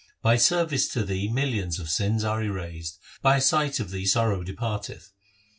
By service to Thee millions of sins are erased ; by a sight of Thee sorrow departeth.